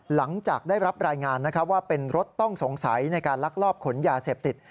หลังจากได้รับรายงานว่าเป็นรถต้องสงสัยในการลักลอบขนยาเสพติด